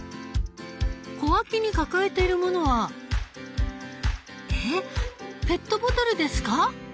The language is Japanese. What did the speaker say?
小脇に抱えている物はえっペットボトルですか